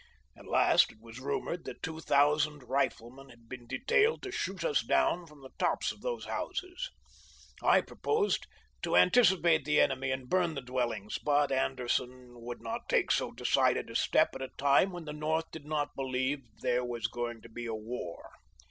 At last it was rumored that two thousand riflemen had been detailed to shoot us down from the tops of those houses. I proposed to anticipate the enemy and burn the dwellings, but Anderson would not take so decided a step at a time when the North did not believe there was going to be war.